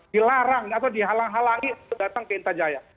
dilarang atau dihalang halangi untuk datang ke intan jaya